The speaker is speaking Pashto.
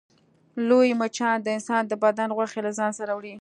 لوی مچان د انسان د بدن غوښې له ځان سره وړي